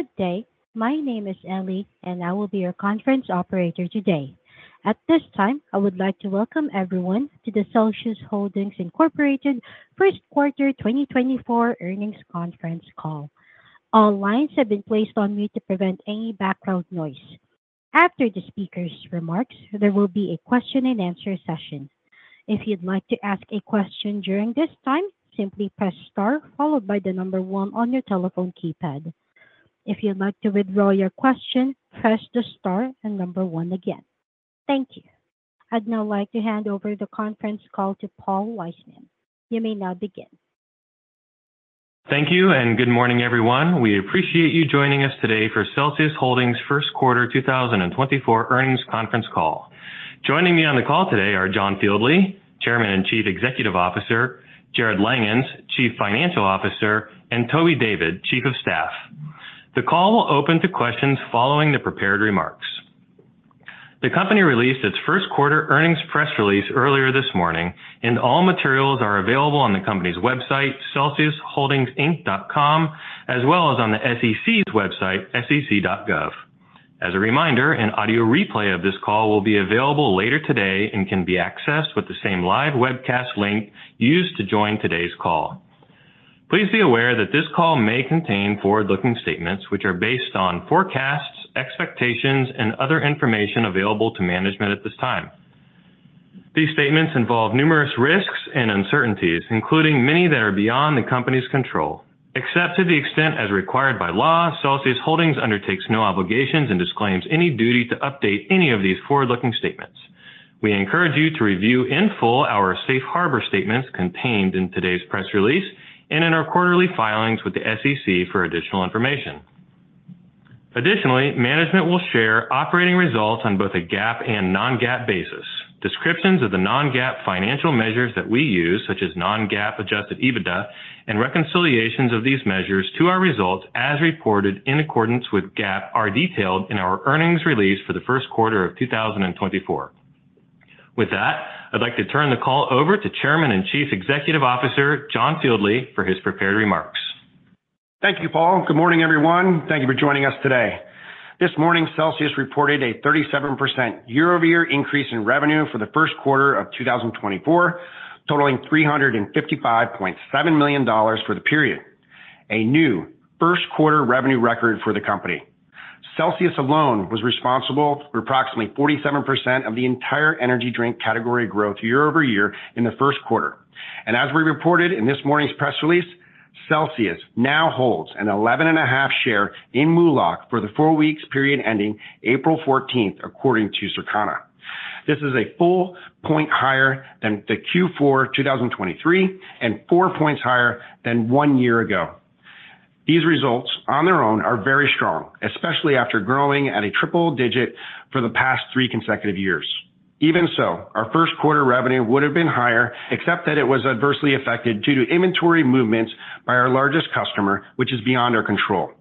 Good day. My name is Ellie, and I will be your conference operator today. At this time, I would like to welcome everyone to the Celsius Holdings Incorporated first quarter 2024 earnings conference call. All lines have been placed on mute to prevent any background noise. After the speaker's remarks, there will be a question and answer session. If you'd like to ask a question during this time, simply press star followed by the number one on your telephone keypad. If you'd like to withdraw your question, press the star and number one again. Thank you. I'd now like to hand over the conference call to Paul Wiseman. You may now begin. Thank you, and good morning, everyone. We appreciate you joining us today for Celsius Holdings first quarter 2024 earnings conference call. Joining me on the call today are John Fieldly, Chairman and Chief Executive Officer, Jarrod Langhans, Chief Financial Officer, and Toby David, Chief of Staff. The call will open to questions following the prepared remarks. The company released its first quarter earnings press release earlier this morning, and all materials are available on the company's website, celsiusholdingsinc.com, as well as on the SEC's website, sec.gov. As a reminder, an audio replay of this call will be available later today and can be accessed with the same live webcast link used to join today's call. Please be aware that this call may contain forward-looking statements which are based on forecasts, expectations, and other information available to management at this time. These statements involve numerous risks and uncertainties, including many that are beyond the company's control. Except to the extent as required by law, Celsius Holdings undertakes no obligations and disclaims any duty to update any of these forward-looking statements. We encourage you to review in full our safe harbor statements contained in today's press release and in our quarterly filings with the SEC for additional information. Additionally, management will share operating results on both a GAAP and non-GAAP basis. Descriptions of the non-GAAP financial measures that we use, such as non-GAAP Adjusted EBITDA, and reconciliations of these measures to our results as reported in accordance with GAAP, are detailed in our earnings release for the first quarter of 2024. With that, I'd like to turn the call over to Chairman and Chief Executive Officer, John Fieldly, for his prepared remarks. Thank you, Paul. Good morning, everyone. Thank you for joining us today. This morning, Celsius reported a 37% year-over-year increase in revenue for the first quarter of 2024, totaling $355.7 million for the period, a new first quarter revenue record for the company. Celsius alone was responsible for approximately 47% of the entire energy drink category growth year-over-year in the first quarter. As we reported in this morning's press release, Celsius now holds an 11.5% share in MULO for the four-week period ending April 14, according to Circana. This is one point higher than the Q4 2023 and four points higher than one year ago. These results on their own are very strong, especially after growing at a triple-digit for the past three consecutive years. Even so, our first quarter revenue would have been higher, except that it was adversely affected due to inventory movements by our largest customer, which is beyond our control.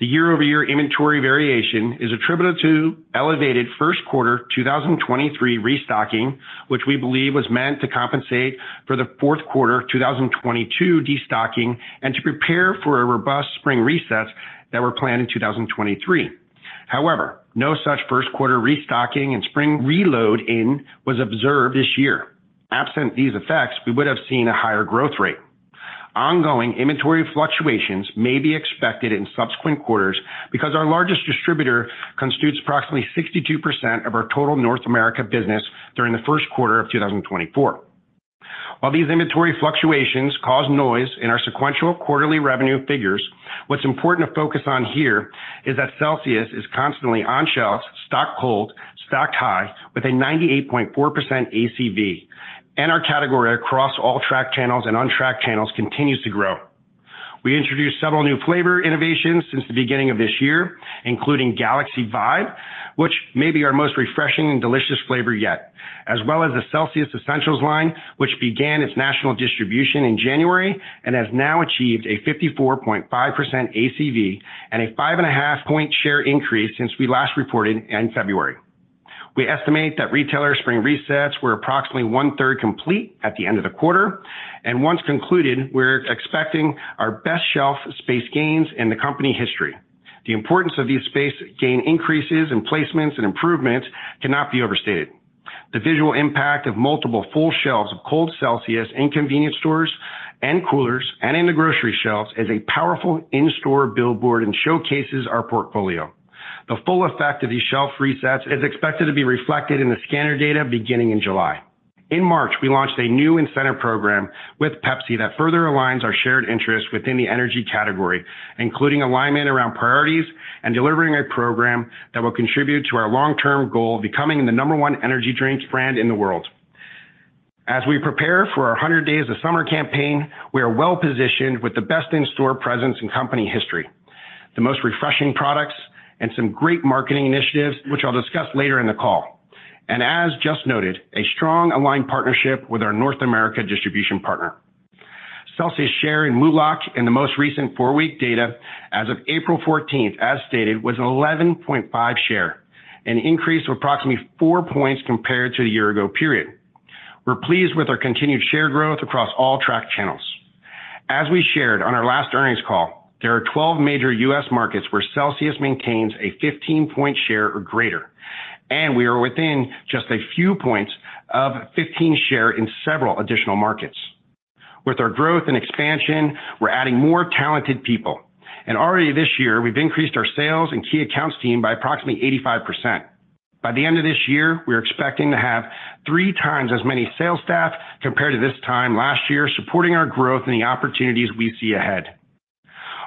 The year-over-year inventory variation is attributed to elevated first quarter 2023 restocking, which we believe was meant to compensate for the fourth quarter 2022 destocking and to prepare for a robust spring resets that were planned in 2023. However, no such first quarter restocking and spring reload in was observed this year. Absent these effects, we would have seen a higher growth rate. Ongoing inventory fluctuations may be expected in subsequent quarters because our largest distributor constitutes approximately 62% of our total North America business during the first quarter of 2024. While these inventory fluctuations cause noise in our sequential quarterly revenue figures, what's important to focus on here is that Celsius is constantly on shelves, stocked cold, stocked high, with a 98.4% ACV, and our category across all tracked channels and untracked channels continues to grow. We introduced several new flavor innovations since the beginning of this year, including Galaxy Vibe, which may be our most refreshing and delicious flavor yet, as well as the Celsius Essentials line, which began its national distribution in January and has now achieved a 54.5% ACV and a 5.5-point share increase since we last reported in February. We estimate that retailer spring resets were approximately one-third complete at the end of the quarter, and once concluded, we're expecting our best shelf space gains in the company history. The importance of these space gain increases and placements and improvements cannot be overstated. The visual impact of multiple full shelves of cold Celsius in convenience stores and coolers and in the grocery shelves is a powerful in-store billboard and showcases our portfolio. The full effect of these shelf resets is expected to be reflected in the scanner data beginning in July. In March, we launched a new incentive program with Pepsi that further aligns our shared interests within the energy category, including alignment around priorities and delivering a program that will contribute to our long-term goal of becoming the number one energy drinks brand in the world. As we prepare for our Hundred Days of Summer campaign, we are well-positioned with the best in-store presence in company history, the most refreshing products, and some great marketing initiatives, which I'll discuss later in the call. As just noted, a strong, aligned partnership with our North American distribution partner. Celsius share in MULO+C in the most recent four-week data as of April 14, as stated, was 11.5 share, an increase of approximately four points compared to the year-ago period. We're pleased with our continued share growth across all tracked channels. As we shared on our last earnings call, there are 12 major U.S. markets where Celsius maintains a 15-point share or greater, and we are within just a few points of 15 share in several additional markets. With our growth and expansion, we're adding more talented people, and already this year, we've increased our sales and key accounts team by approximately 85%. By the end of this year, we are expecting to have three times as many sales staff compared to this time last year, supporting our growth and the opportunities we see ahead.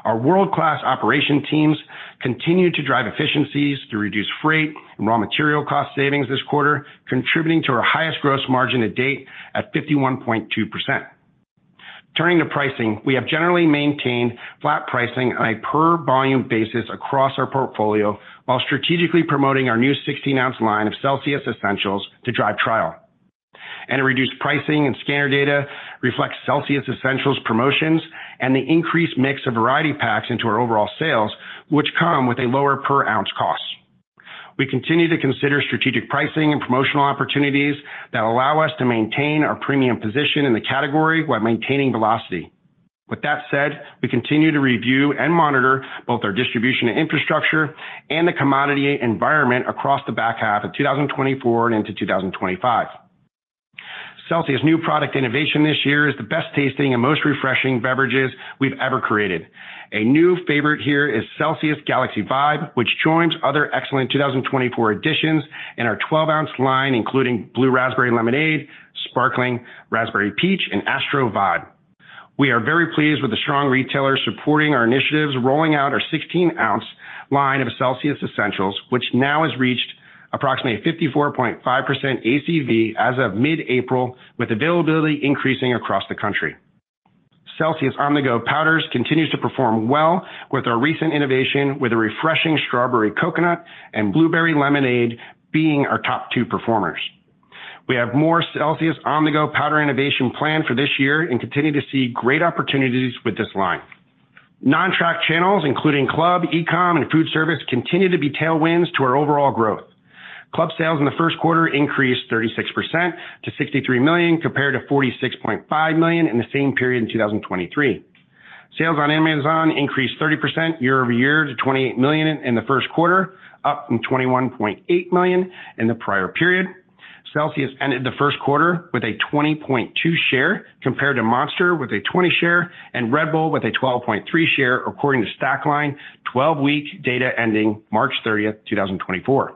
Our world-class operation teams continue to drive efficiencies to reduce freight and raw material cost savings this quarter, contributing to our highest gross margin to date at 51.2%. Turning to pricing, we have generally maintained flat pricing on a per volume basis across our portfolio, while strategically promoting our new 16-ounce line of Celsius Essentials to drive trial. A reduced pricing and scanner data reflects Celsius Essentials promotions and the increased mix of variety packs into our overall sales, which come with a lower per ounce cost. We continue to consider strategic pricing and promotional opportunities that allow us to maintain our premium position in the category while maintaining velocity. With that said, we continue to review and monitor both our distribution and infrastructure and the commodity environment across the back half of 2024 and into 2025. Celsius new product innovation this year is the best tasting and most refreshing beverages we've ever created. A new favorite here is Celsius Galaxy Vibe, which joins other excellent 2024 editions in our 12-ounce line, including Celsius Blue Raspberry Lemonade, Celsius Sparkling Raspberry Peach, and Celsius Astro Vibe. We are very pleased with the strong retailers supporting our initiatives, rolling out our 16-ounce line of Celsius Essentials, which now has reached approximately 54.5% ACV as of mid-April, with availability increasing across the country. Celsius On-the-Go Powders continues to perform well with our recent innovation, with a refreshing Celsius Strawberry Coconut and Celsius Blueberry Lemonade being our top two performers. We have more Celsius On-the-Go Powder innovation planned for this year and continue to see great opportunities with this line. Non-track channels, including club, e-com, and food service, continue to be tailwinds to our overall growth. Club sales in the first quarter increased 36% to $63 million, compared to $46.5 million in the same period in 2023. Sales on Amazon increased 30% year-over-year to $28 million in the first quarter, up from $21.8 million in the prior period. Celsius ended the first quarter with a 20.2 share, compared to Monster with a 20 share and Red Bull with a 12.3 share, according to Stackline, 12-week data ending March 30, 2024.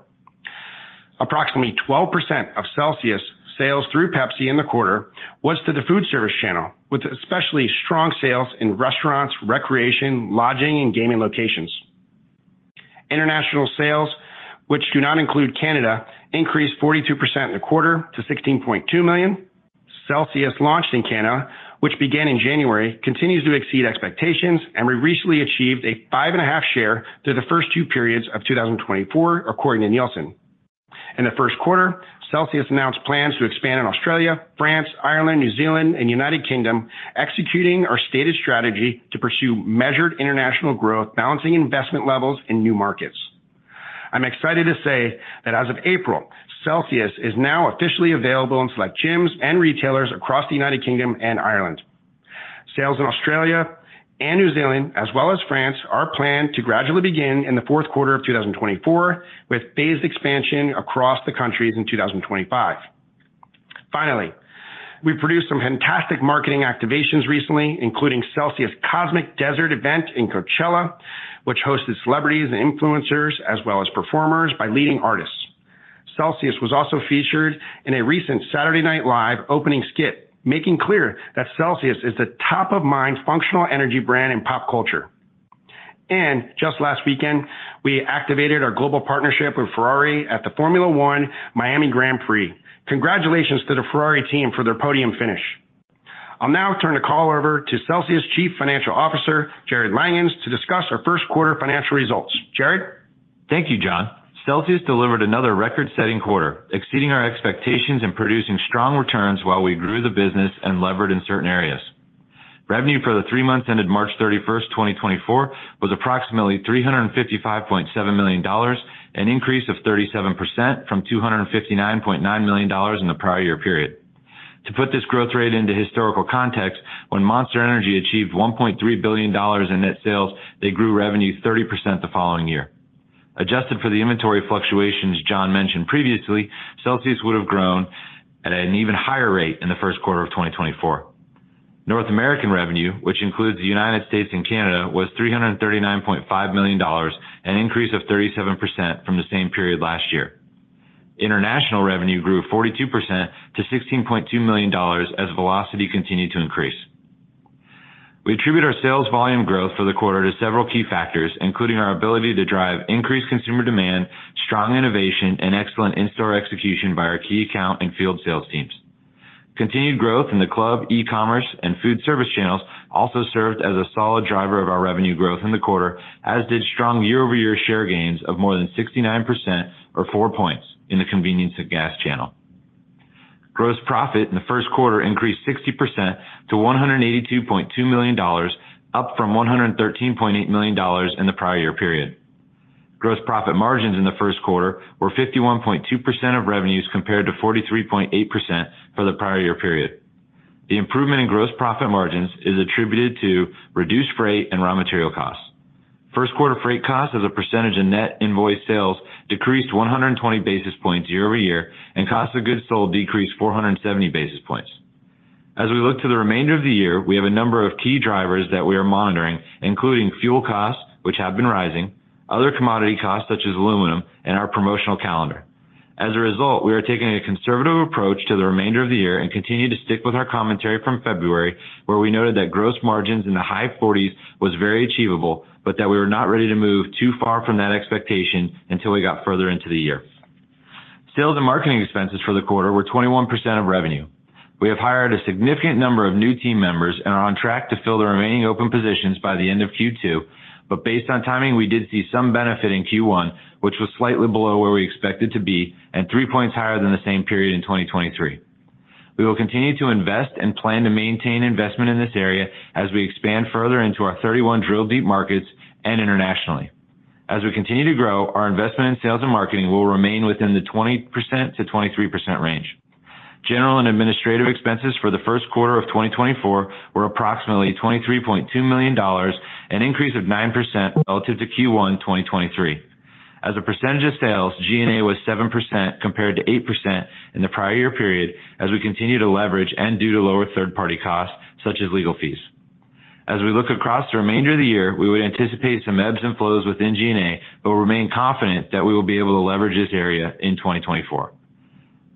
Approximately 12% of Celsius sales through Pepsi in the quarter was to the food service channel, with especially strong sales in restaurants, recreation, lodging, and gaming locations. International sales, which do not include Canada, increased 42% in the quarter to $16.2 million. Celsius launched in Canada, which began in January, continues to exceed expectations, and we recently achieved a 5.5% share through the first two periods of 2024, according to Nielsen. In the first quarter, Celsius announced plans to expand in Australia, France, Ireland, New Zealand, and United Kingdom, executing our stated strategy to pursue measured international growth, balancing investment levels in new markets. I'm excited to say that as of April, Celsius is now officially available in select gyms and retailers across the United Kingdom and Ireland. Sales in Australia and New Zealand, as well as France, are planned to gradually begin in the fourth quarter of 2024, with phased expansion across the countries in 2025. Finally, we produced some fantastic marketing activations recently, including Celsius Cosmic Desert event in Coachella, which hosted celebrities and influencers, as well as performers by leading artists. Celsius was also featured in a recent Saturday Night Live opening skit, making clear that Celsius is the top-of-mind functional energy brand in pop culture. And just last weekend, we activated our global partnership with Ferrari at the Formula One Miami Grand Prix. Congratulations to the Ferrari team for their podium finish. I'll now turn the call over to Celsius Chief Financial Officer, Jarrod Langhans, to discuss our first quarter financial results. Jarrod? Thank you, John. Celsius delivered another record-setting quarter, exceeding our expectations and producing strong returns while we grew the business and levered in certain areas. Revenue for the three months ended March 31, 2024, was approximately $355.7 million, an increase of 37% from $259.9 million in the prior year period. To put this growth rate into historical context, when Monster Energy achieved $1.3 billion in net sales, they grew revenue 30% the following year. Adjusted for the inventory fluctuations John mentioned previously, Celsius would have grown at an even higher rate in the first quarter of 2024. North American revenue, which includes the United States and Canada, was $339.5 million, an increase of 37% from the same period last year. International revenue grew 42% to $16.2 million as velocity continued to increase. We attribute our sales volume growth for the quarter to several key factors, including our ability to drive increased consumer demand, strong innovation, and excellent in-store execution by our key account and field sales teams. Continued growth in the club, e-commerce, and food service channels also served as a solid driver of our revenue growth in the quarter, as did strong year-over-year share gains of more than 69% or four points in the convenience and gas channel. Gross profit in the first quarter increased 60% to $182.2 million, up from $113.8 million in the prior year period. Gross profit margins in the first quarter were 51.2% of revenues, compared to 43.8% for the prior year period. The improvement in gross profit margins is attributed to reduced freight and raw material costs. First quarter freight costs as a percentage of net invoice sales decreased 120 basis points year over year, and cost of goods sold decreased 470 basis points. As we look to the remainder of the year, we have a number of key drivers that we are monitoring, including fuel costs, which have been rising, other commodity costs, such as aluminum, and our promotional calendar. As a result, we are taking a conservative approach to the remainder of the year and continue to stick with our commentary from February, where we noted that gross margins in the high 40s was very achievable, but that we were not ready to move too far from that expectation until we got further into the year. Sales and marketing expenses for the quarter were 21% of revenue. We have hired a significant number of new team members and are on track to fill the remaining open positions by the end of Q2, but based on timing, we did see some benefit in Q1, which was slightly below where we expected to be and 3 points higher than the same period in 2023. We will continue to invest and plan to maintain investment in this area as we expand further into our 31 Drill Deep markets and internationally. As we continue to grow, our investment in sales and marketing will remain within the 20%-23% range. General and administrative expenses for the first quarter of 2024 were approximately $23.2 million, an increase of 9% relative to Q1 2023. As a percentage of sales, G&A was 7%, compared to 8% in the prior year period, as we continue to leverage and due to lower third-party costs, such as legal fees. As we look across the remainder of the year, we would anticipate some ebbs and flows within G&A, but we remain confident that we will be able to leverage this area in 2024.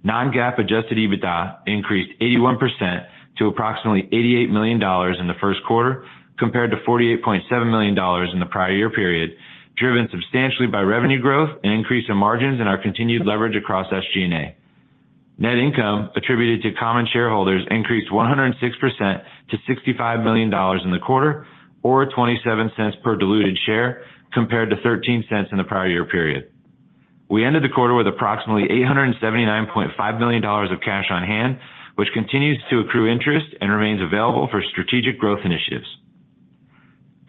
Non-GAAP adjusted EBITDA increased 81% to approximately $88 million in the first quarter, compared to $48.7 million in the prior year period, driven substantially by revenue growth and increase in margins and our continued leverage across SG&A. Net income attributed to common shareholders increased 106% to $65 million in the quarter, or $0.27 per diluted share, compared to $0.13 in the prior year period. We ended the quarter with approximately $879.5 million of cash on hand, which continues to accrue interest and remains available for strategic growth initiatives.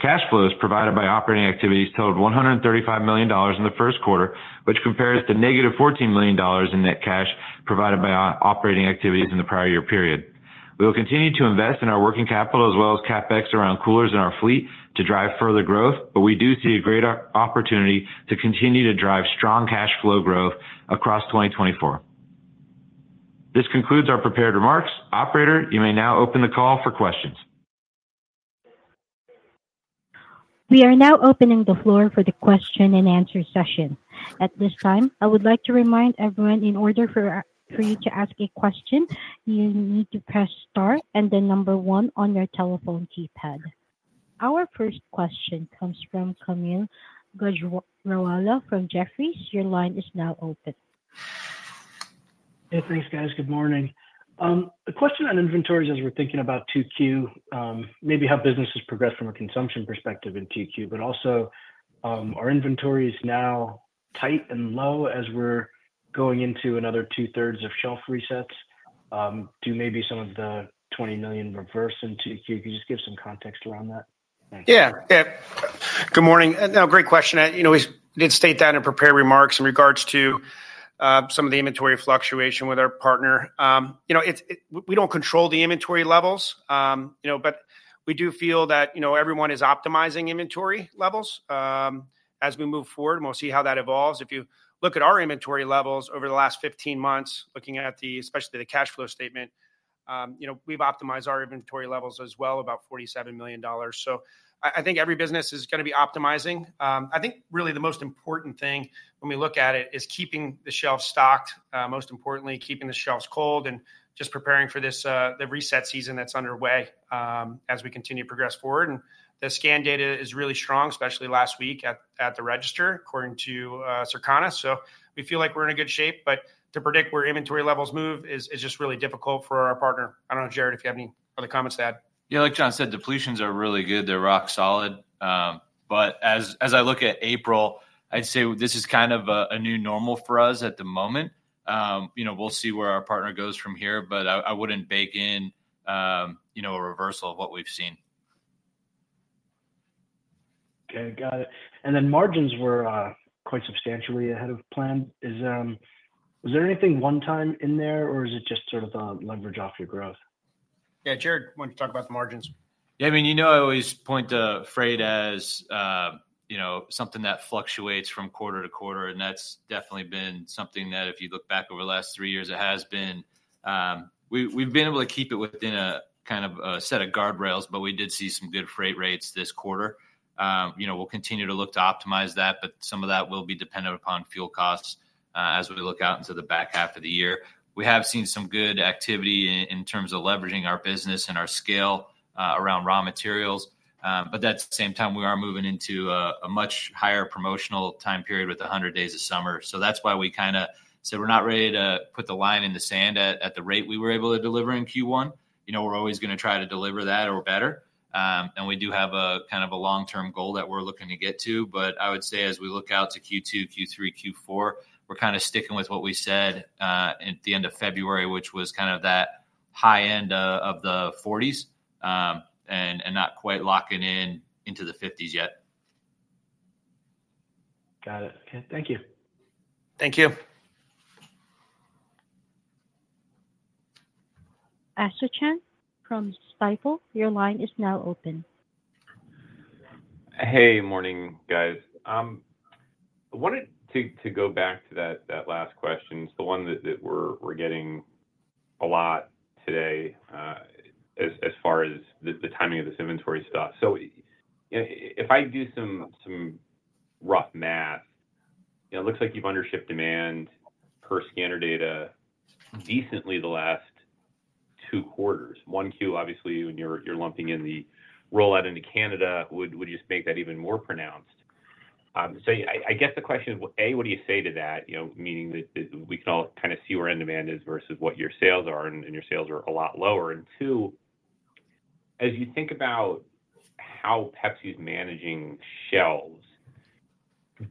Cash flows provided by operating activities totaled $135 million in the first quarter, which compares to -$14 million in net cash provided by operating activities in the prior year period. We will continue to invest in our working capital as well as CapEx around coolers in our fleet to drive further growth, but we do see a great opportunity to continue to drive strong cash flow growth across 2024. This concludes our prepared remarks. Operator, you may now open the call for questions. We are now opening the floor for the question and answer session. At this time, I would like to remind everyone, in order for you to ask a question, you need to press star and then one on your telephone keypad. Our first question comes from Kaumil Gajrawala from Jefferies. Your line is now open. Hey, thanks, guys. Good morning. A question on inventories as we're thinking about Q2, maybe how business has progressed from a consumption perspective in Q2, but also, are inventories now tight and low as we're going into another two-thirds of shelf resets? Do maybe some of the $20 million reverse in Q2? Can you just give some context around that? Yeah. Yeah. Good morning. No, great question. You know, we did state that in prepared remarks in regards to some of the inventory fluctuation with our partner. You know, it's—we don't control the inventory levels, you know, but we do feel that, you know, everyone is optimizing inventory levels as we move forward, and we'll see how that evolves. If you look at our inventory levels over the last 15 months, looking at the, especially the cash flow statement, you know, we've optimized our inventory levels as well, about $47 million. So I, I think every business is gonna be optimizing. I think really the most important thing when we look at it is keeping the shelves stocked, most importantly, keeping the shelves cold and just preparing for this, the reset season that's underway, as we continue to progress forward. The scan data is really strong, especially last week at the register, according to Circana. So we feel like we're in a good shape, but to predict where inventory levels move is just really difficult for our partner. I don't know, Jarrod, if you have any other comments to add. Yeah, like John said, depletions are really good. They're rock solid. But as I look at April, I'd say this is kind of a new normal for us at the moment. You know, we'll see where our partner goes from here, but I wouldn't bake in, you know, a reversal of what we've seen. Okay, got it. Then margins were quite substantially ahead of plan. Was there anything one time in there, or is it just sort of leverage off your growth? Yeah, Jarrod, why don't you talk about the margins? Yeah, I mean, you know, I always point to freight as, you know, something that fluctuates from quarter to quarter, and that's definitely been something that if you look back over the last three years, it has been... We've been able to keep it within a kind of a set of guardrails, but we did see some good freight rates this quarter. You know, we'll continue to look to optimize that, but some of that will be dependent upon fuel costs, as we look out into the back half of the year. We have seen some good activity in terms of leveraging our business and our scale, around raw materials. But at the same time, we are moving into a much higher promotional time period with a Hundred Days of Summer. So that's why we kinda said we're not ready to put the line in the sand at the rate we were able to deliver in Q1. You know, we're always gonna try to deliver that or better. We do have a kind of a long-term goal that we're looking to get to, but I would say as we look out to Q2, Q3, Q4, we're kinda sticking with what we said at the end of February, which was kind of that high end of the 40s, and not quite locking in into the 50s yet. Got it. Okay. Thank you. Thank you. Mark Astrachan from Stifel, your line is now open. Hey, morning, guys. I wanted to go back to that last question. It's the one that we're getting a lot today, as far as the timing of this inventory stuff. So if I do some rough math, it looks like you've under shipped demand per scanner data decently the last two quarters. 1Q, obviously, when you're lumping in the rollout into Canada, would just make that even more pronounced. So I guess the question is, A, what do you say to that? You know, meaning that we can all kind of see where end demand is versus what your sales are, and your sales are a lot lower. And two, as you think about how Pepsi is managing shelves,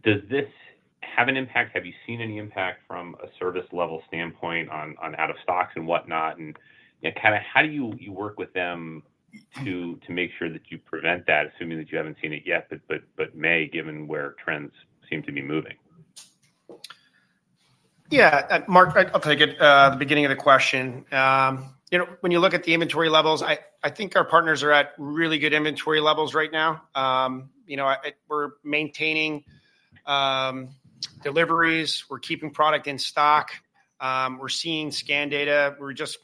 does this have an impact? Have you seen any impact from a service level standpoint on out of stocks and whatnot? And kinda how do you work with them to make sure that you prevent that, assuming that you haven't seen it yet, but may, given where trends seem to be moving? Yeah, Mark, I'll take the beginning of the question. You know, when you look at the inventory levels, I think our partners are at really good inventory levels right now. You know, we're maintaining deliveries, we're keeping product in stock, we're seeing scan data. We're just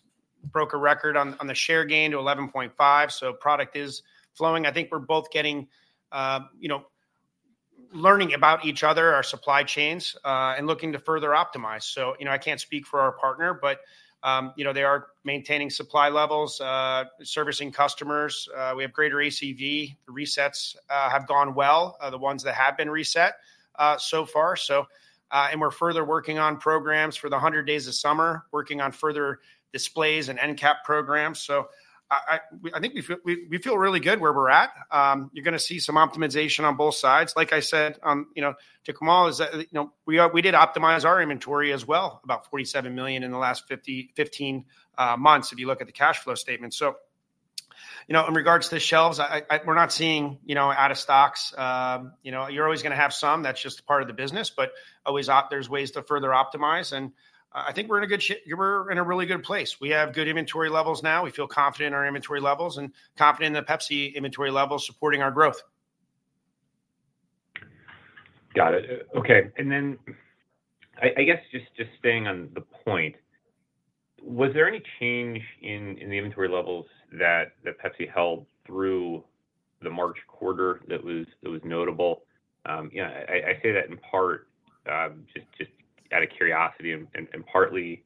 broke a record on the share gain to 11.5%, so product is flowing. I think we're both getting, you know, learning about each other, our supply chains, and looking to further optimize. So, you know, I can't speak for our partner, but, you know, they are maintaining supply levels, servicing customers. We have greater ACV. The resets have gone well, the ones that have been reset so far. So, and we're further working on programs for the Hundred Days of Summer, working on further displays and end cap programs. So I think we feel, we feel really good where we're at. You're gonna see some optimization on both sides. Like I said, you know, to Kemal, is that, you know, we did optimize our inventory as well, about $47 million in the last 15 months, if you look at the cash flow statement. So, you know, in regards to the shelves, I, we're not seeing, you know, out of stocks. You know, you're always gonna have some, that's just a part of the business, but there's ways to further optimize, and I think we're in a good sha- we're in a really good place. We have good inventory levels now. We feel confident in our inventory levels and confident in the Pepsi inventory levels supporting our growth. Got it. Okay. And then I guess just staying on the point, was there any change in the inventory levels that Pepsi held through the March quarter that was notable? You know, I say that in part just out of curiosity and partly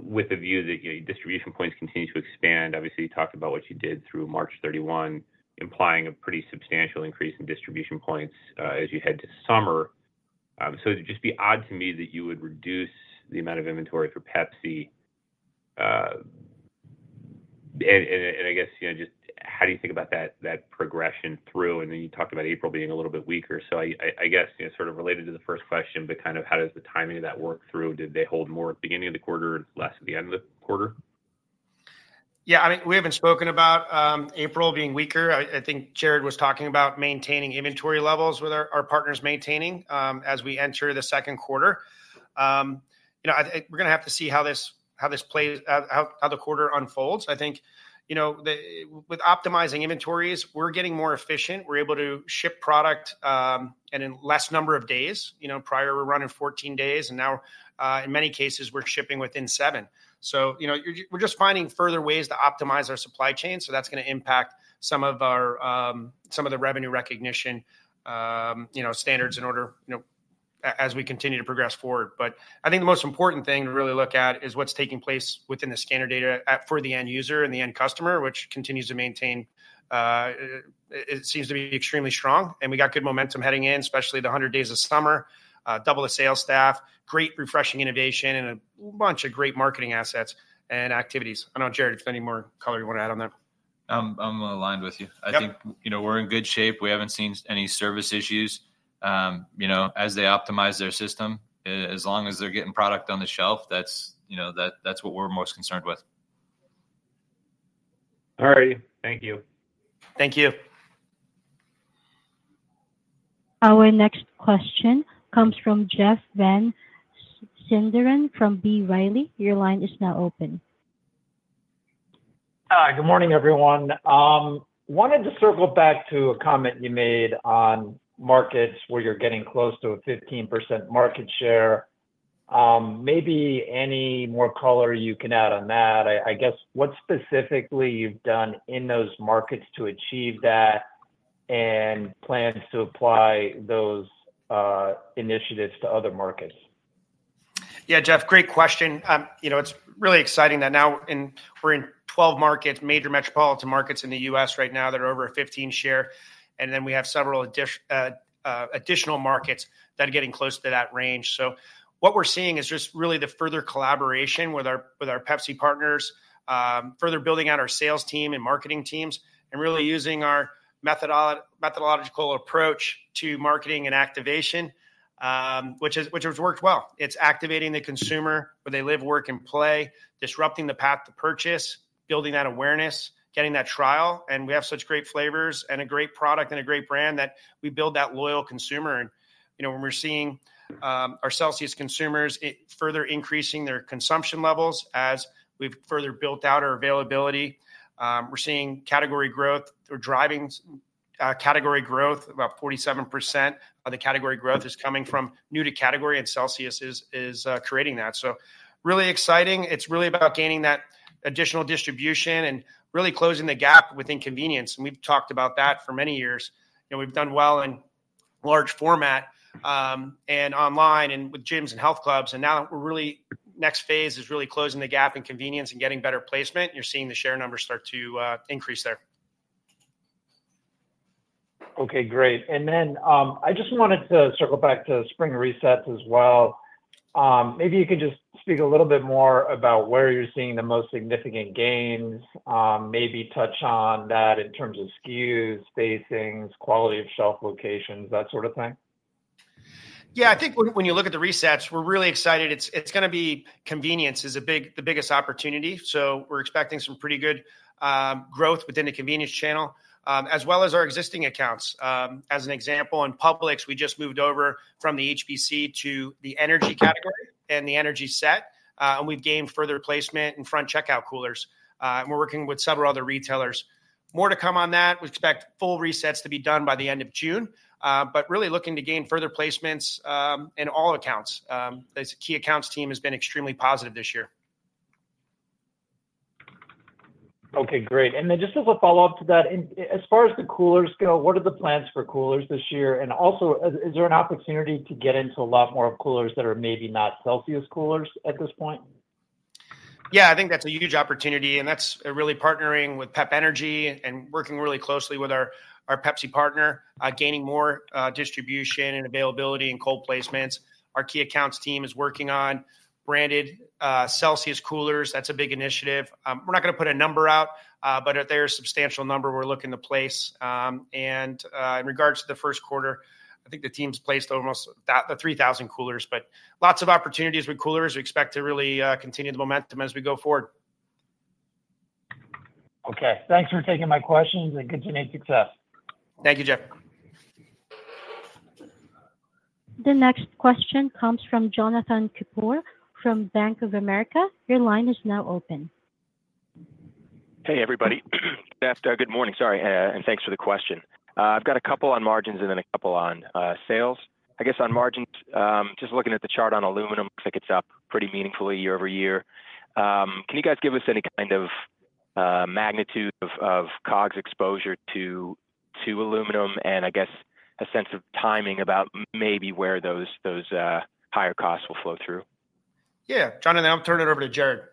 with the view that your distribution points continue to expand. Obviously, you talked about what you did through March 31, implying a pretty substantial increase in distribution points as you head to summer. So it'd just be odd to me that you would reduce the amount of inventory for Pepsi. And I guess, you know, just how do you think about that progression through, and then you talked about April being a little bit weaker. So I guess, you know, sort of related to the first question, but kind of how does the timing of that work through? Did they hold more at the beginning of the quarter, less at the end of the quarter? Yeah, I mean, we haven't spoken about April being weaker. I think Jarrod was talking about maintaining inventory levels with our partners maintaining as we enter the second quarter. You know, we're gonna have to see how this plays out, how the quarter unfolds. I think, you know, with optimizing inventories, we're getting more efficient. We're able to ship product and in less number of days. You know, prior, we're running 14 days, and now, in many cases, we're shipping within seven. So, you know, we're just finding further ways to optimize our supply chain, so that's gonna impact some of our some of the revenue recognition standards in order as we continue to progress forward. But I think the most important thing to really look at is what's taking place within the scanner data at for the end user and the end customer, which continues to maintain, it, it seems to be extremely strong, and we got good momentum heading in, especially the Hundred Days of Summer, double the sales staff, great refreshing innovation, and a bunch of great marketing assets and activities. I know, Jarrod, if there any more color you wanna add on that? I'm aligned with you. Yep. I think, you know, we're in good shape. We haven't seen any service issues. You know, as they optimize their system, as long as they're getting product on the shelf, that's, you know, that, that's what we're most concerned with. All right. Thank you. Thank you. Our next question comes from Jeff Van Sinderen from B. Riley. Your line is now open. Hi, good morning, everyone. Wanted to circle back to a comment you made on markets where you're getting close to a 15% market share. Maybe any more color you can add on that? I guess what specifically you've done in those markets to achieve that and plans to apply those initiatives to other markets? Yeah, Jeff, great question. You know, it's really exciting that now we're in 12 markets, major metropolitan markets in the U.S. right now that are over a 15% share, and then we have several additional markets that are getting close to that range. So what we're seeing is just really the further collaboration with our Pepsi partners, further building out our sales team and marketing teams, and really using our methodological approach to marketing and activation, which has worked well. It's activating the consumer, where they live, work, and play, disrupting the path to purchase, building that awareness, getting that trial. And we have such great flavors and a great product and a great brand that we build that loyal consumer. You know, when we're seeing our Celsius consumers, it further increasing their consumption levels as we've further built out our availability. We're seeing category growth or driving category growth. About 47% of the category growth is coming from new to category, and Celsius is creating that. So really exciting. It's really about gaining that additional distribution and really closing the gap within convenience, and we've talked about that for many years. You know, we've done well in large format and online and with gyms and health clubs, and now we're really next phase is really closing the gap in convenience and getting better placement. You're seeing the share numbers start to increase there. Okay, great. And then, I just wanted to circle back to spring resets as well. Maybe you could just speak a little bit more about where you're seeing the most significant gains. Maybe touch on that in terms of SKUs, facings, quality of shelf locations, that sort of thing. Yeah, I think when you look at the resets, we're really excited. It's gonna be... convenience is the biggest opportunity, so we're expecting some pretty good growth within the convenience channel, as well as our existing accounts. As an example, in Publix, we just moved over from the HBC to the energy category and the energy set, and we've gained further placement in front checkout coolers. And we're working with several other retailers. More to come on that. We expect full resets to be done by the end of June, but really looking to gain further placements in all accounts. The key accounts team has been extremely positive this year. Okay, great. And then just as a follow-up to that, and as far as the coolers go, what are the plans for coolers this year? And also, is there an opportunity to get into a lot more coolers that are maybe not Celsius coolers at this point? Yeah, I think that's a huge opportunity, and that's really partnering with Pepsi and working really closely with our Pepsi partner, gaining more distribution and availability and cold placements. Our key accounts team is working on branded Celsius coolers. That's a big initiative. We're not gonna put a number out, but there are a substantial number we're looking to place. And in regards to the first quarter, I think the team's placed almost 3,000 coolers, but lots of opportunities with coolers. We expect to really continue the momentum as we go forward. Okay, thanks for taking my questions, and continued success. Thank you, Jeff. The next question comes from Jonathan Keypour from Bank of America. Your line is now open. Hey, everybody. Good morning, sorry, and thanks for the question. I've got a couple on margins and then a couple on sales. I guess on margins, just looking at the chart on aluminum, looks like it's up pretty meaningfully year-over-year. Can you guys give us any kind of magnitude of COGS exposure to aluminum and I guess a sense of timing about maybe where those higher costs will flow through? Yeah. Jonathan, I'll turn it over to Jarrod.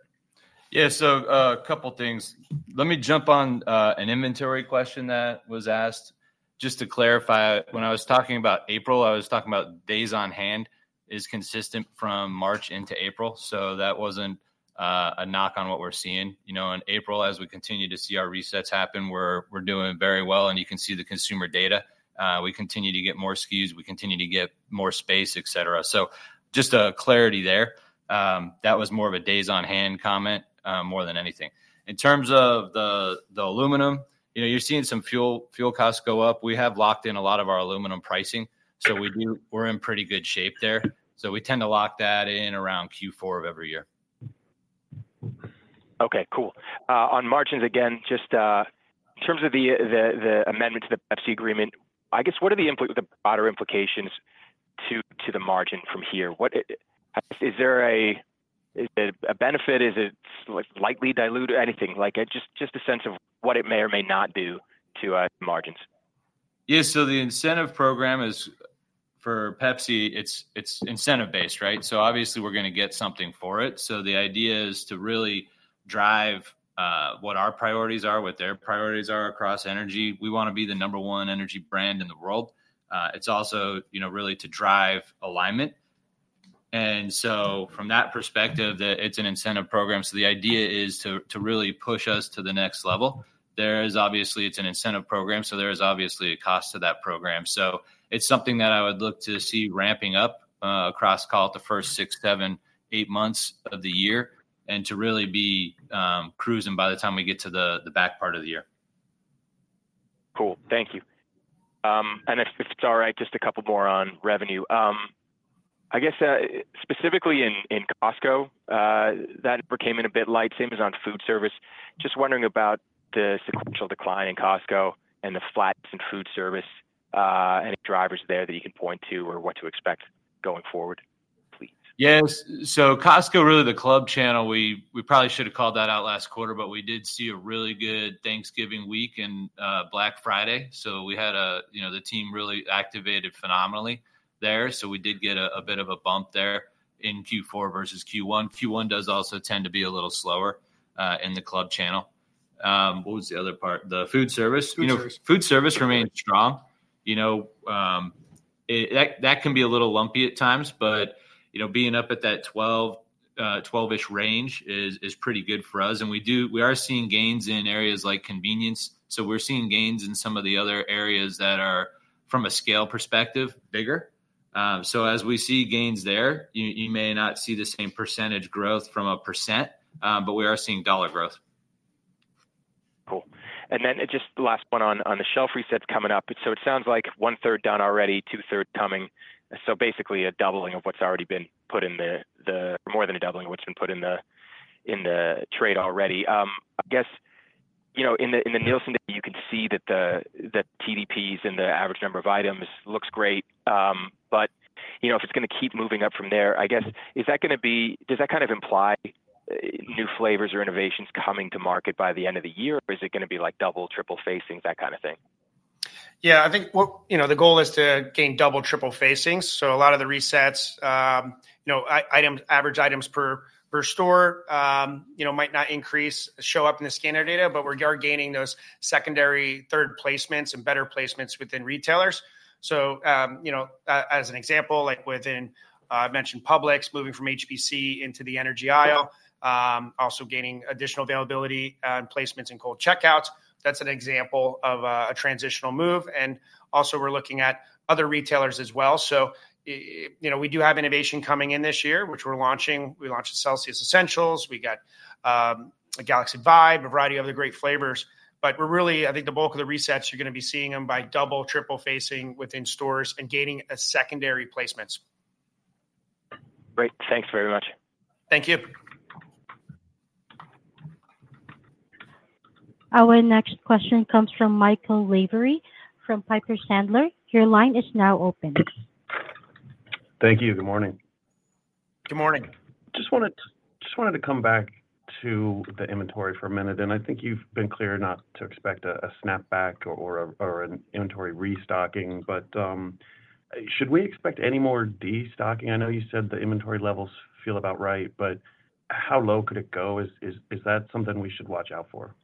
Yeah, so, a couple things. Let me jump on, an inventory question that was asked. Just to clarify, when I was talking about April, I was talking about days on hand is consistent from March into April, so that wasn't, a knock on what we're seeing. You know, in April, as we continue to see our resets happen, we're doing very well, and you can see the consumer data. We continue to get more SKUs, we continue to get more space, et cetera. So just a clarity there. That was more of a days on hand comment, more than anything. In terms of the, the aluminum, you know, you're seeing some fuel costs go up. We have locked in a lot of our aluminum pricing, so we do-- we're in pretty good shape there. We tend to lock that in around Q4 of every year. Okay, cool. On margins again, just, in terms of the amendment to the Pepsi agreement, I guess what are the broader implications to the margin from here? What, is there a benefit? Is it slightly diluted, anything? Like, just, just a sense of what it may or may not do to margins. Yeah, so the incentive program is, for Pepsi, it's, it's incentive-based, right? So obviously we're gonna get something for it. So the idea is to really drive what our priorities are, what their priorities are across energy. We wanna be the number one energy brand in the world. It's also, you know, really to drive alignment. And so from that perspective, it's an incentive program, so the idea is to, to really push us to the next level. There is obviously, it's an incentive program, so there is obviously a cost to that program. So it's something that I would look to see ramping up across, call it the first six, seven, eight months of the year, and to really be cruising by the time we get to the, the back part of the year. Cool. Thank you. And if, if it's all right, just a couple more on revenue. I guess, specifically in, in Costco, that came in a bit light, same as on food service. Just wondering about the sequential decline in Costco and the flats in food service, any drivers there that you can point to or what to expect going forward, please? Yes. So Costco, really the club channel, we probably should have called that out last quarter, but we did see a really good Thanksgiving week and Black Friday. So we had a, you know, the team really activated phenomenally there, so we did get a bit of a bump there in Q4 versus Q1. Q1 does also tend to be a little slower in the club channel. What was the other part? The food service? Food service. You know, food service remained strong. You know, that can be a little lumpy at times, but, you know, being up at that 12, 12-ish range is pretty good for us. We are seeing gains in areas like convenience. So we're seeing gains in some of the other areas that are, from a scale perspective, bigger. So as we see gains there, you may not see the same percentage growth from a percent, but we are seeing dollar growth. Cool. Then just the last one on the shelf resets coming up. So it sounds like one-third down already, two-thirds coming. So basically a doubling of what's already been put in the trade already. More than a doubling of what's been put in the trade already. I guess, you know, in the Nielsen data, you can see that the TDPs and the average number of items looks great, but, you know, if it's gonna keep moving up from there, I guess, is that gonna be... Does that kind of imply new flavors or innovations coming to market by the end of the year, or is it gonna be like double, triple facings, that kind of thing? Yeah, I think, you know, the goal is to gain double, triple facings. So a lot of the resets, you know, items, average items per store, you know, might not increase, show up in the scanner data, but we are gaining those secondary, third placements and better placements within retailers. So, you know, as an example, like within, I mentioned Publix, moving from HBC into the energy aisle, also gaining additional availability, and placements in cold checkouts. That's an example of a transitional move, and also we're looking at other retailers as well. So, you know, we do have innovation coming in this year, which we're launching. We launched the Celsius Essentials. We got a Galaxy Vibe, a variety of other great flavors. But we're really, I think the bulk of the resets you're gonna be seeing them by double, triple facing within stores and gaining a secondary placements. Great. Thanks very much. Thank you. Our next question comes from Michael Lavery, from Piper Sandler. Your line is now open. Thank you. Good morning. Good morning. Just wanted to come back to the inventory for a minute, and I think you've been clear not to expect a snapback or an inventory restocking, but should we expect any more destocking? I know you said the inventory levels feel about right, but how low could it go? Is that something we should watch out for?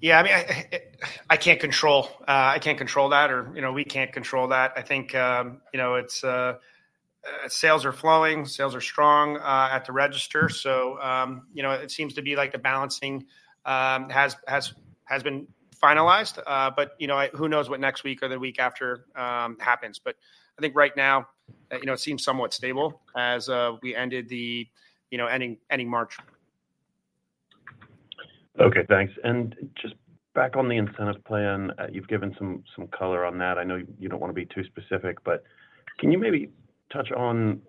Yeah, I mean, I can't control that, or, you know, we can't control that. I think, you know, it's sales are flowing, sales are strong at the register, so, you know, it seems to be like the balancing has been finalized. But, you know, who knows what next week or the week after happens. But I think right now, you know, it seems somewhat stable as we ended the, you know, ending March. Okay, thanks. Just back on the incentive plan, you've given some color on that. I know you don't want to be too specific, but can you maybe touch on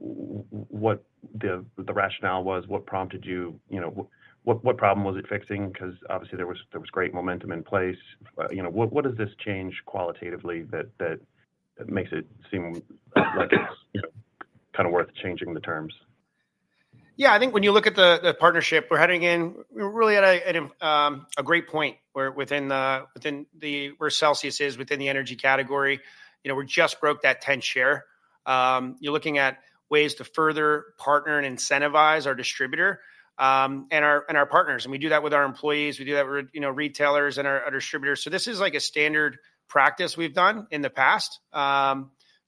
what the rationale was? What prompted you? You know, what problem was it fixing? Because obviously, there was great momentum in place. You know, what does this change qualitatively that makes it seem like it's kind of worth changing the terms? Yeah, I think when you look at the partnership, we're heading in, we're really at a great point where Celsius is within the energy category. You know, we just broke that 10 share. You're looking at ways to further partner and incentivize our distributor and our partners, and we do that with our employees, we do that with, you know, retailers and our distributors. So this is like a standard practice we've done in the past.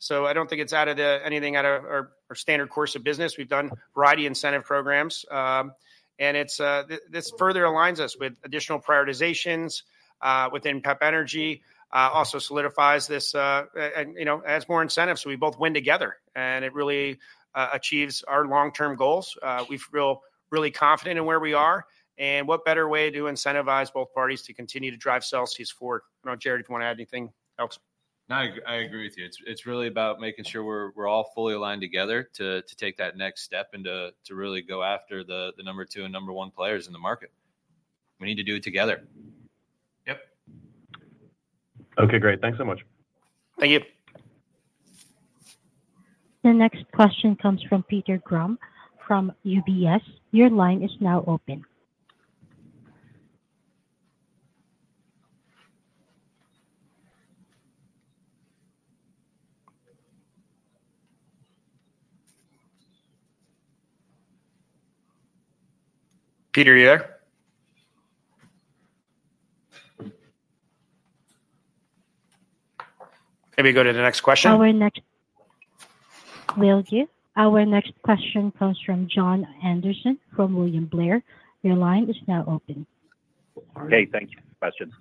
So I don't think it's anything out of our standard course of business. We've done a variety of incentive programs, and it's this further aligns us with additional prioritizations within PEP Energy, also solidifies this, and, you know, adds more incentives, so we both win together, and it really achieves our long-term goals. We feel really confident in where we are, and what better way to incentivize both parties to continue to drive Celsius forward? I don't know, Jarrod, if you want to add anything else. No, I agree with you. It's really about making sure we're all fully aligned together to take that next step and to really go after the number two and number one players in the market. We need to do it together. Yep. Okay, great. Thanks so much. Thank you. The next question comes from Peter Grom, from UBS. Your line is now open. Peter, are you there? Maybe go to the next question. Our next question comes from Jon Andersen, from William Blair. Your line is now open. Hey, thank you for the question.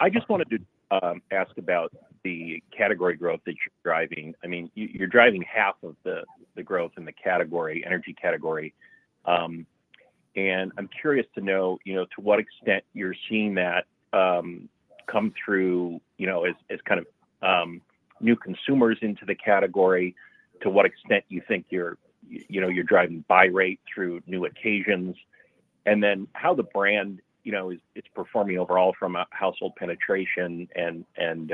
I just wanted to ask about the category growth that you're driving. I mean, you're driving half of the growth in the category, energy category. And I'm curious to know, you know, to what extent you're seeing that come through, you know, as kind of new consumers into the category, to what extent you think you're, you know, you're driving buy rate through new occasions, and then how the brand, you know, is it's performing overall from a household penetration and, and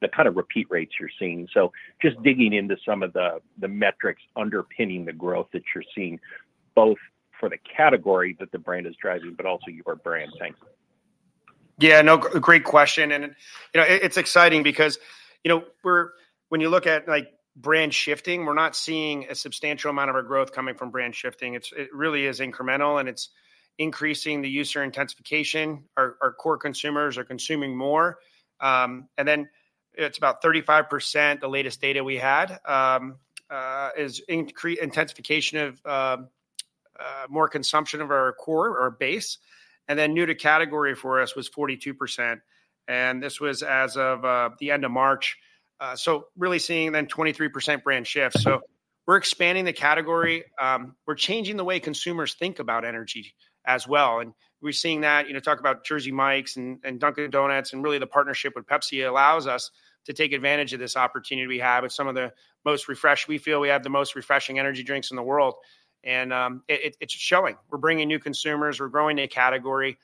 the kind of repeat rates you're seeing. So just digging into some of the metrics underpinning the growth that you're seeing, both for the category that the brand is driving, but also your brand. Thanks. Yeah, no, great question. And, you know, it, it's exciting because, you know, we're-- when you look at, like, brand shifting, we're not seeing a substantial amount of our growth coming from brand shifting. It's, it really is incremental, and it's increasing the user intensification. Our, our core consumers are consuming more. And then it's about 35%, the latest data we had is intensification of more consumption of our core, our base. And then new to category for us was 42%, and this was as of the end of March. So really seeing then 23% brand shift. So we're expanding the category. We're changing the way consumers think about energy as well, and we're seeing that. You know, talk about Jersey Mike's and Dunkin' Donuts, and really, the partnership with Pepsi allows us to take advantage of this opportunity we have with some of the most refreshed. We feel we have the most refreshing energy drinks in the world, and it, it's showing. We're bringing new consumers. We're growing a category.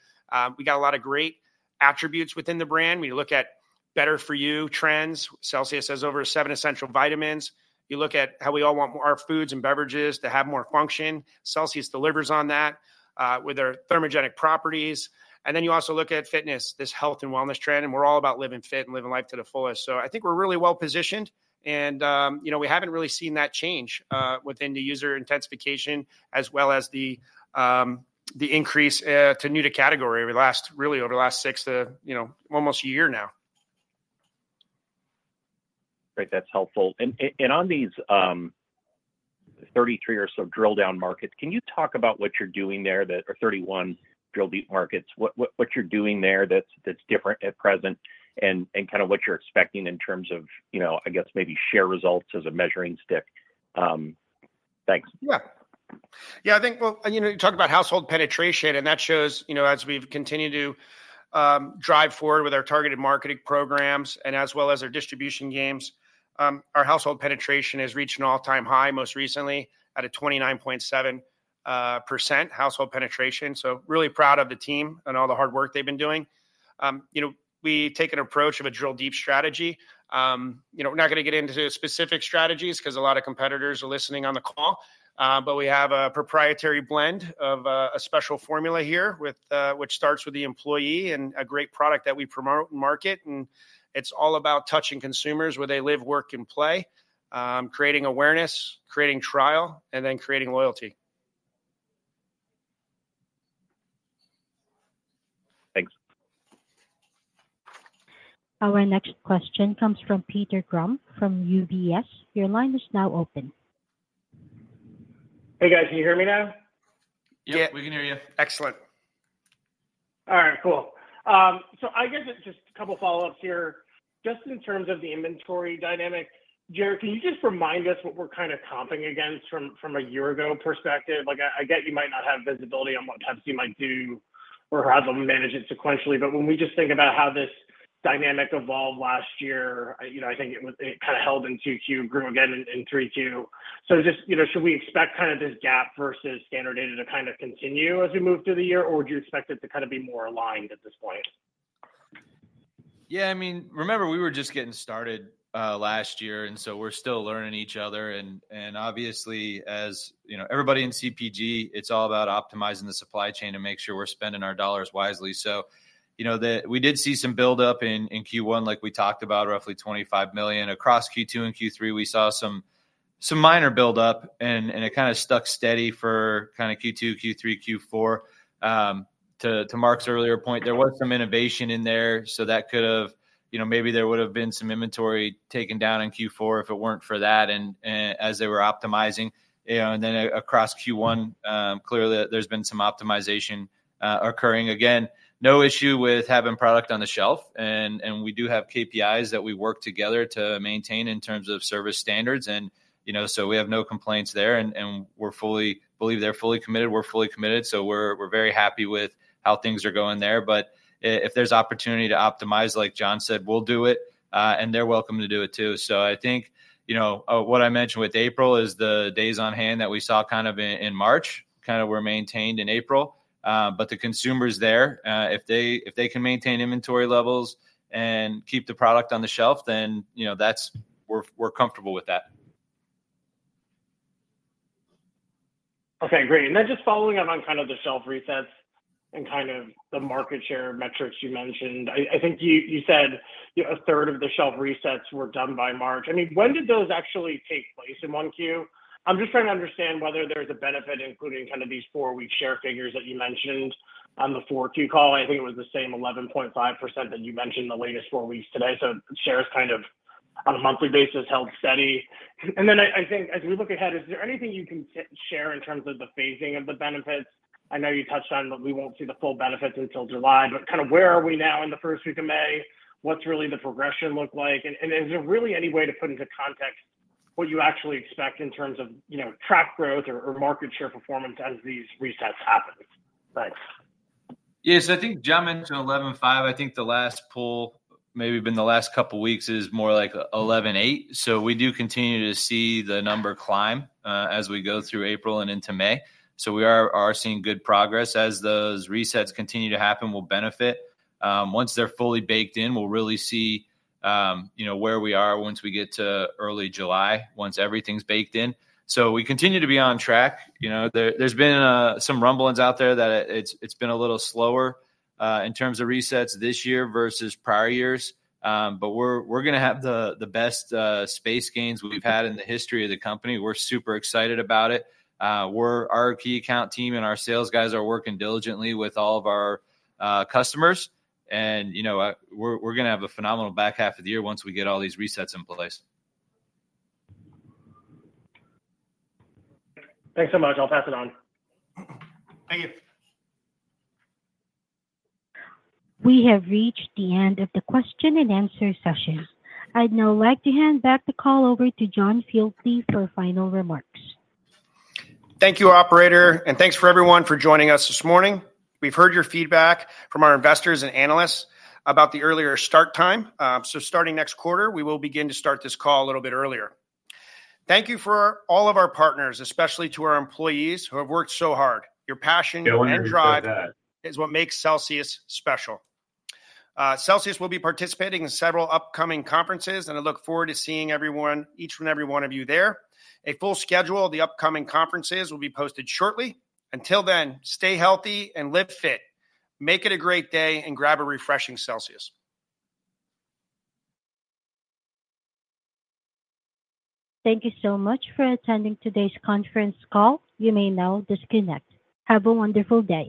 We got a lot of great attributes within the brand. We look at better-for-you trends. Celsius has over seven essential vitamins. You look at how we all want more. Our foods and beverages to have more function. Celsius delivers on that with their thermogenic properties. And then you also look at fitness, this health and wellness trend, and we're all about living fit and living life to the fullest. I think we're really well positioned, and, you know, we haven't really seen that change within the user intensification as well as the increase to new to category really over the last six to, you know, almost a year now. Great, that's helpful. And on these 33 or so drill-down markets, can you talk about what you're doing there that... Or 31 drill-deep markets, what you're doing there that's different at present and kind of what you're expecting in terms of, you know, I guess maybe share results as a measuring stick? Thanks. Yeah. Yeah, I think, well, you know, you talked about household penetration, and that shows, you know, as we've continued to drive forward with our targeted marketing programs and as well as our distribution gains, our household penetration has reached an all-time high, most recently at a 29.7% household penetration. So really proud of the team and all the hard work they've been doing. You know, we take an approach of a drill deep strategy. You know, we're not gonna get into specific strategies 'cause a lot of competitors are listening on the call, but we have a proprietary blend of a special formula here with which starts with the employee and a great product that we promo- market. It's all about touching consumers where they live, work, and play, creating awareness, creating trial, and then creating loyalty. Thanks. Our next question comes from Peter Grom from UBS. Your line is now open. Hey, guys, can you hear me now? Yeah, we can hear you. Excellent. All right, cool. So I guess it's just a couple follow-ups here. Just in terms of the inventory dynamic, Jarrod, can you just remind us what we're kind of comping against from a year ago perspective? Like, I get you might not have visibility on what Pepsi might do or how they'll manage it sequentially. But when we just think about how this dynamic evolved last year, you know, I think it kind of held in Q2 and grew again in Q3. So just, you know, should we expect kind of this gap versus standard data to kind of continue as we move through the year, or do you expect it to kind of be more aligned at this point? Yeah, I mean, remember we were just getting started last year, and so we're still learning each other. And obviously, as you know, everybody in CPG, it's all about optimizing the supply chain to make sure we're spending our dollars wisely. So you know, we did see some buildup in Q1, like we talked about, roughly $25 million. Across Q2 and Q3, we saw some minor buildup, and it kind of stuck steady for kind of Q2, Q3, Q4. To Mark's earlier point, there was some innovation in there, so that could have, you know, maybe there would've been some inventory taken down in Q4 if it weren't for that and as they were optimizing. You know, and then across Q1, clearly, there's been some optimization occurring. Again, no issue with having product on the shelf, and we do have KPIs that we work together to maintain in terms of service standards. And, you know, so we have no complaints there, and we fully believe they're fully committed. We're fully committed, so we're very happy with how things are going there. But if there's opportunity to optimize, like John said, we'll do it, and they're welcome to do it too. So I think, you know, what I mentioned with April is the days on hand that we saw kind of in March kind of were maintained in April. But the consumer's there. If they can maintain inventory levels and keep the product on the shelf, then, you know, that's. We're comfortable with that. Okay, great. And then just following up on kind of the shelf resets and kind of the market share metrics you mentioned. I think you said, you know, a third of the shelf resets were done by March. I mean, when did those actually take place in 1Q? I'm just trying to understand whether there's a benefit, including kind of these four-week share figures that you mentioned on the Q4 call. I think it was the same 11.5% that you mentioned the latest four weeks today, so shares kind of, on a monthly basis, held steady. And then I think as we look ahead, is there anything you can share in terms of the phasing of the benefits? I know you touched on that we won't see the full benefits until July, but kind of where are we now in the first week of May? What's really the progression look like, and, and is there really any way to put into context what you actually expect in terms of, you know, track growth or, or market share performance as these resets happen? Thanks. Yes, I think jumping to 11.5, I think the last poll, maybe been the last couple weeks, is more like 11.8. So we do continue to see the number climb as we go through April and into May. So we are seeing good progress. As those resets continue to happen, we'll benefit. Once they're fully baked in, we'll really see, you know, where we are once we get to early July, once everything's baked in. So we continue to be on track. You know, there's been some rumblings out there that it's been a little slower in terms of resets this year versus prior years. But we're gonna have the best space gains we've had in the history of the company. We're super excited about it. Our key account team and our sales guys are working diligently with all of our customers. And, you know, we're gonna have a phenomenal back half of the year once we get all these resets in place. Thanks so much. I'll pass it on. Thank you. We have reached the end of the question and answer session. I'd now like to hand back the call over to John Fieldly for final remarks. Thank you, operator, and thanks for everyone for joining us this morning. We've heard your feedback from our investors and analysts about the earlier start time. So starting next quarter, we will begin to start this call a little bit earlier. Thank you for all of our partners, especially to our employees who have worked so hard. Your passion and drive is what makes Celsius special. Celsius will be participating in several upcoming conferences, and I look forward to seeing everyone, each and every one of you there. A full schedule of the upcoming conferences will be posted shortly. Until then, stay healthy and Live Fit. Make it a great day, and grab a refreshing Celsius. Thank you so much for attending today's conference call. You may now disconnect. Have a wonderful day.